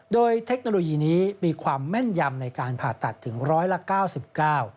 โดยเทคโนโลยีนี้มีความแม่นยำในการผ่าตัดถึง๑๐๐ละ๙๙